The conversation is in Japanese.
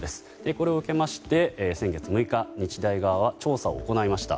これを受けまして、先月６日日大側は調査を行いました。